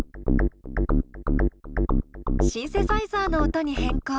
シンセサイザーの音に変更。